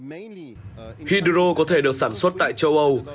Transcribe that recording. hydro có thể được sản xuất tại châu âu